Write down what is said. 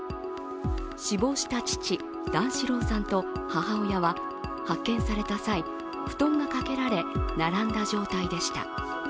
死亡した父・段四郎さんと母親は発見された際、布団がかけられ、並んだ状態でした。